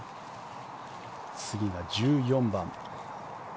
次が１４番。